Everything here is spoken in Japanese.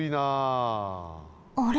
あれ？